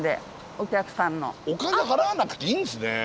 お金払わなくていいんですね。